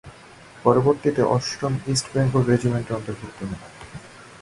পরবর্তীতে অষ্টম ইস্ট বেঙ্গল রেজিমেন্টে অন্তর্ভুক্ত হন।